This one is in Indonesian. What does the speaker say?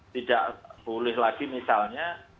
tidak boleh lagi misalnya